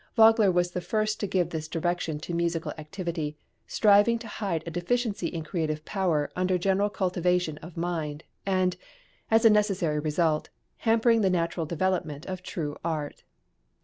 Vogler was the first to give this direction to musical activity, striving to hide a deficiency in creative power under general cultivation of mind, and, as a necessary result, hampering the natural development of true art.